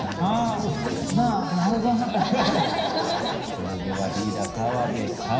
それではリーダー澤部さん